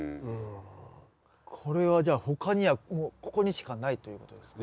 これはじゃあ他にはここにしかないということですか？